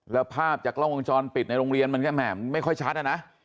แล้วภาพจากกล้องวงจรปิดในโรงเรียนมันก็แหม่ไม่ค่อยชัดอะนะ